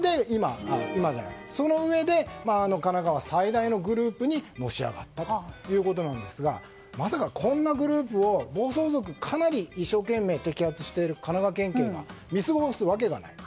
そのうえで神奈川最大のグループにのし上がったということなんですがまさかこんなグループを暴走族を一生懸命摘発している神奈川県警が見過ごすわけがない。